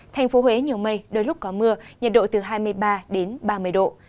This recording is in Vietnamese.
thành phố huế nhiều mây đôi lúc có mưa nhiệt độ từ hai mươi ba đến ba mươi độ